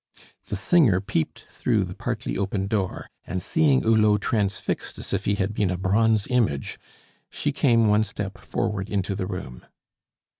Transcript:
The singer peeped through the partly open door, and seeing Hulot transfixed as if he had been a bronze image, she came one step forward into the room.